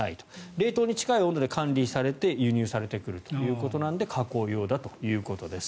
冷凍に近い温度で管理されて輸入されてくるということなので加工用だということです。